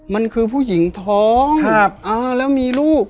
มันคือผู้หญิงท้องแล้วมีลูก